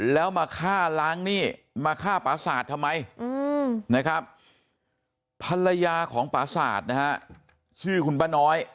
แล้วมาฆ่าล้างหนี้มาฆ่าปราศาสตร์ทำไมนะครับภรรยาของปราศาสตร์นะฮะชื่อคุณป้าน้อย